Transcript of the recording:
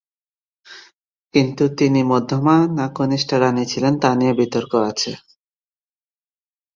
কিন্তু তিনি মধ্যমা না কনিষ্ঠা রাণী ছিলেন তা নিয়ে বিতর্ক আছে।